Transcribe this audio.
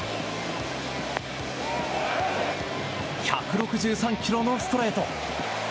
１６３キロのストレート。